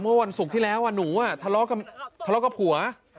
เมื่อวันศุกร์ที่แล้วหนูทะเลาะกับผัว